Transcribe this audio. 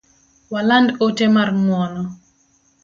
Waland ote mar ng’uono